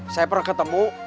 saya pernah ketemu